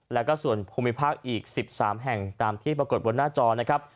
แล้วก็ส่วนภูมิภาคอีก๑๓แห่งตามที่ปรากฏบนหน้าจอนะครับ